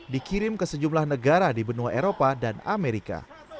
dikirim ke sejumlah negara di benua eropa dan amerika